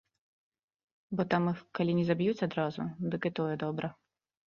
Бо там іх калі не заб'юць адразу, дык і тое добра.